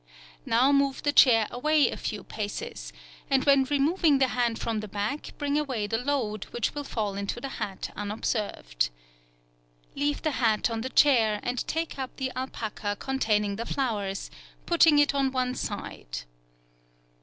Now move the chair away a few paces, and when removing the hand from the back bring away the load, which will fall into the hat unobserved. Leave the hat on the chair, and take up the alpaca containing the flowers, putting it on one side.